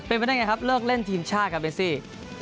เป็นไปได้ไงครับเลิกเล่นทีมชาติครับเบซี่